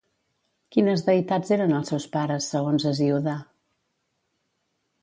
Quines deïtats eren els seus pares, segons Hesíode?